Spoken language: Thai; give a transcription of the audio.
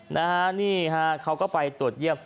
นะฮะนี่ฮะเขาก็ไปตรวจเยี่ยม